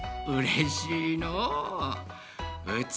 うれしいのう。